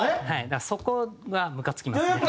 だからそこはムカつきますね。